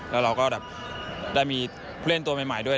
แล้วเราก็ได้มีเพื่อนตัวใหม่ด้วย